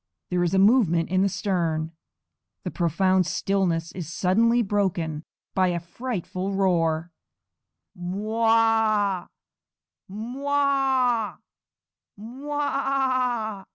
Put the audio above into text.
There is a movement in the stern; the profound stillness is suddenly broken by a frightful roar: _M wah úh! M waah úh!